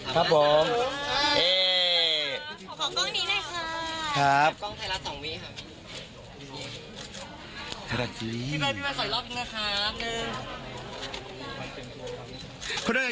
ขอกล้องนี้หน่อยค่ะ